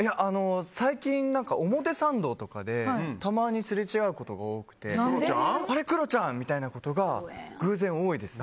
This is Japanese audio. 最近、表参道とかでたまにすれ違うことが多くてクロちゃん！みたいなことが偶然、多いです。